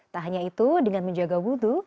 tak hanya itu dengan menjaga wudhu